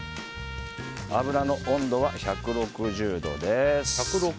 油の温度は１６０度です。